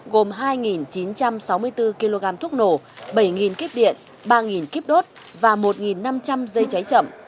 gồm hai chín trăm sáu mươi bốn kg thuốc nổ bảy kíp điện ba kíp đốt và một năm trăm linh dây cháy chậm